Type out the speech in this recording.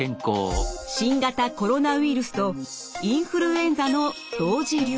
新型コロナウイルスとインフルエンザの同時流行です。